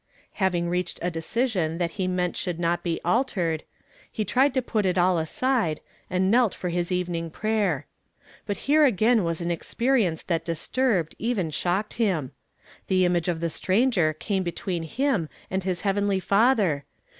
Having rea(;hcd a decision that he meant sliOuhl not be altered, he tried to i)ut it all aside, and knelt for his evening prayer. lUit here again was an experience that disturbed, even shocked him. The image of the stranger came between him and his heavenly Father!